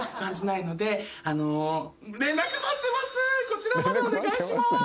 こちらまでお願いします。